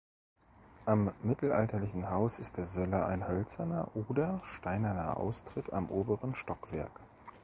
Am mittelalterlichen Haus ist der Söller ein hölzerner oder steinerner Austritt am oberen Stockwerk.